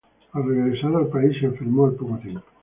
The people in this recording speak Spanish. Al regresar al país, se enfermó al poco tiempo.